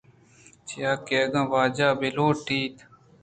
چیاکہ اگاں واجہ ءَ بُہ لوٹیتیں